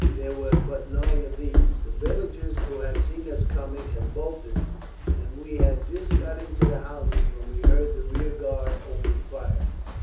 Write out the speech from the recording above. There were but nine of these. The villagers, who had seen us coming, had bolted, and we had just got into the houses when we heard the rear guard open fire.